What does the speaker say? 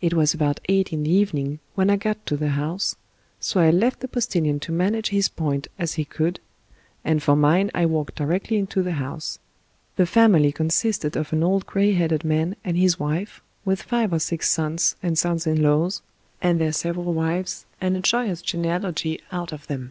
It was about eight in the evening when I got to the house, so I left the postilion to manage his point as he could, and for mine I walked directly into the house. The family consisted of an old gray headed man and his wife, with five or six sons and sons in laws, and their sev eral wives, and a joyous genealogy out of them.